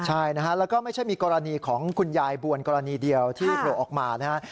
ใช่นะฮะแล้วก็ไม่ใช่มีกรณีของคุณยายบวนกรณีเดียวที่โผล่ออกมานะฮะ